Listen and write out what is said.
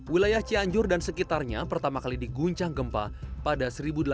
wilayah cianjur dan sekitarnya pertama kali diguncang gempa pada seribu delapan ratus delapan puluh